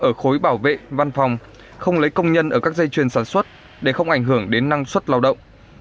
ở khối bảo vệ văn phòng không lấy công nhân ở các dây chuyền sản xuất để không ảnh hưởng đến năng suất lao động